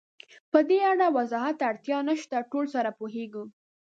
پدې اړه وضاحت ته اړتیا نشته، ټول سره پوهېږو.